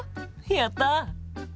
やった！